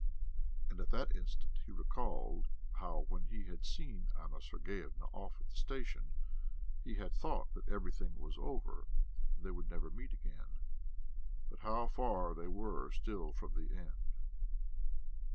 And at that instant he recalled how when he had seen Anna Sergeyevna off at the station he had thought that everything was over and they would never meet again. But how far they were still from the end!